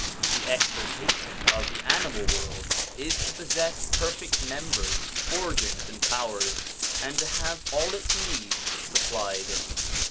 The exaltation of the animal world is to possess perfect members, organs, and powers, and to have all its needs supplied.